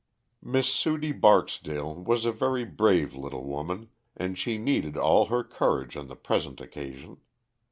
_ Miss Sudie Barksdale was a very brave little woman, and she needed all her courage on the present occasion.